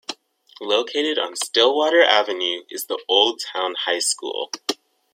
Located on Stillwater Avenue is the Old Town High School.